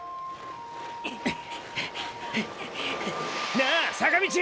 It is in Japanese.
なあ坂道！